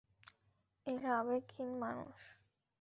এরা আবেগহীন মানুষ।